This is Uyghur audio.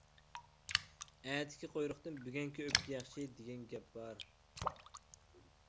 «ئەتىكى قۇيرۇقتىن بۈگۈنكى ئۆپكە ياخشى» دېگەن گەپ بار.